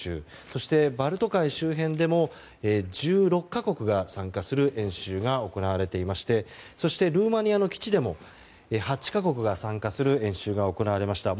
そしてバルト海周辺でも１６か国が参加する演習が行われていましてそして、ルーマニアの基地でも８か国が参加する演習が行われました。